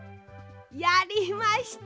やりました！